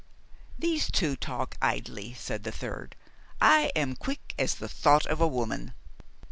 "These two talk idly," said the third. "I am quick as the thought of a woman."